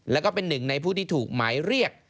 แล้วก็เป็นหนึ่งในผู้ที่ถูกหมายเรียก